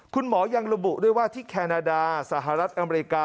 คุณหมอยังระบุด้วยว่าที่แคนาดาสหรัฐอเมริกา